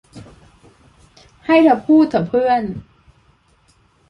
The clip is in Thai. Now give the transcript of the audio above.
ให้เธอพูดเถอะเพื่อน